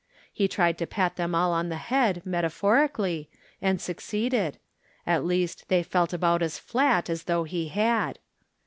He tried to pat them all on the head, metaphorically, and suc ceeded ; at least they felt about as flat as though he had.